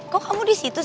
kok kamu di situ sih